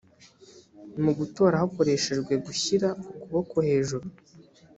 mu gutora hakoreshejwe gushyira ukuboko hejuru